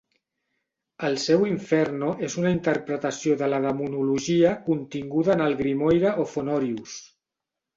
El seu "Inferno" és una interpretació de la demonologia continguda en el Grimoire of Honorius.